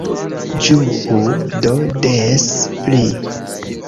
Ĝuu do des pli!